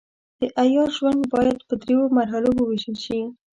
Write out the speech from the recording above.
د عیار ژوند باید پر دریو مرحلو وویشل شي.